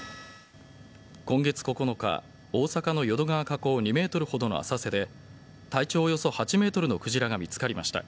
今月９日大阪の淀川河口２ｍほどの浅瀬で体長およそ８ｍのクジラが見つかりました。